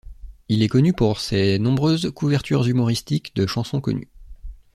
Il est connu pour ses nombreuses couvertures humoristiques de chansons connues.